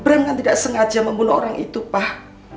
bram kan tidak sengaja membunuh orang itu pak